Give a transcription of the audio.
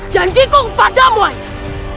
janjiku kepadamu ayah